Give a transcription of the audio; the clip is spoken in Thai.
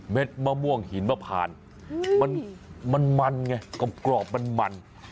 เม็ดมะม่วงหินมาผ่านมันมันไงกรอบมันมัน